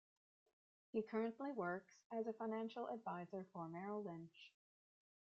He currently works as a financial advisor for Merrill Lynch.